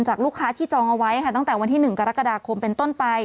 ลูกค้าที่จองเอาไว้ค่ะตั้งแต่วันที่๑กรกฎาคมเป็นต้นไป